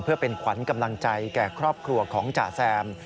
เพื่อเป็นขวัญกำลังใจแก่ครอบครัวของจ่าแซม